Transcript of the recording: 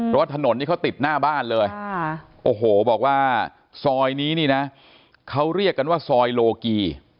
เพราะว่าถนนนี่เขาติดหน้าบ้านเลยโอ้โหบอกว่าซอยนี้นี่นะเขาเรียกกันว่าซอยโลกี